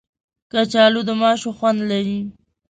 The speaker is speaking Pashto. کچالو د ماشو خوند لري